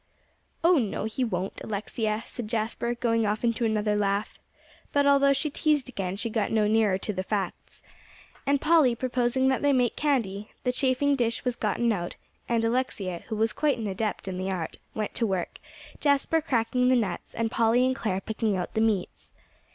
"Oh, no, he won't, Alexia," said Jasper, going off into another laugh. But although she teased again, she got no nearer to the facts. And Polly proposing that they make candy, the chafing dish was gotten out; and Alexia, who was quite an adept in the art, went to work, Jasper cracking the nuts, and Polly and Clare picking out the meats.